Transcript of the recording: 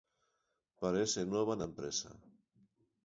Parece nova na empresa.